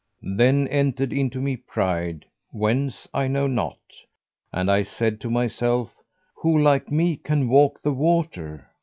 Then entered into me pride; whence I know not, and I said to myself, 'Who like me can walk the water?'